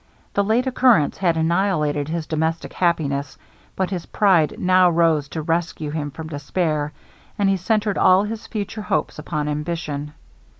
The late occurrence had annihilated his domestic happiness; but his pride now rose to rescue him from despair, and he centered all his future hopes upon ambition.